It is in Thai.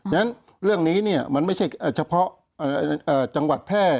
อย่างนั้นอย่างนี้เนี่ยมันไม่เพื่อเฉพาะจังหวัดแพร่